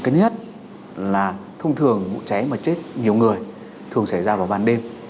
cái thứ nhất là thông thường vụ cháy mà chết nhiều người thường xảy ra vào ban đêm